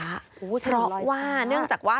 ถนนลอยฟ้าเพราะว่าเนื่องจากว่า